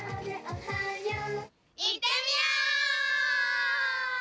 いってみよう！